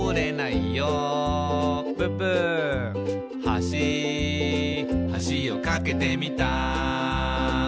「はしはしを架けてみた」